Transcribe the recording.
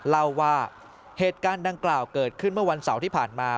เล่าว่าเหตุการณ์ดังกล่าวเกิดขึ้นเมื่อวันเสาร์ที่ผ่านมา